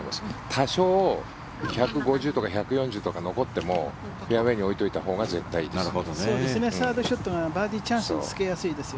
多少１５０とか１４０とか残ってもフェアウェーに置いておいたほうが絶対いいです。